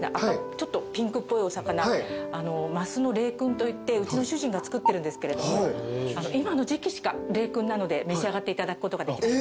ちょっとピンクっぽいお魚鱒の冷燻といってうちの主人が作ってるんですけれど今の時季しか冷燻なので召し上がっていただくことが。え！